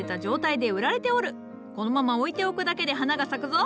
このまま置いておくだけで花が咲くぞ。